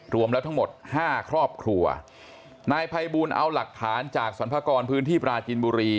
รวมแล้วทั้งหมดห้าครอบครัวนายภัยบูลเอาหลักฐานจากสรรพากรพื้นที่ปราจินบุรี